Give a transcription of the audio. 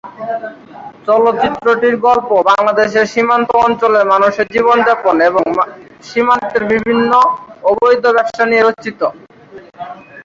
চলচ্চিত্রটির গল্প বাংলাদেশের সীমান্ত অঞ্চলের মানুষের জীবনযাপন এবং সীমান্তের বিভিন্ন অবৈধ ব্যবসা নিয়ে রচিত।